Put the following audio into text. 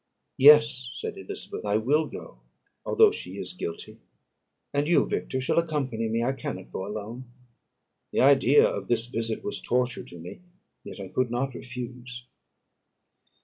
"Yes," said Elizabeth, "I will go, although she is guilty; and you, Victor, shall accompany me: I cannot go alone." The idea of this visit was torture to me, yet I could not refuse.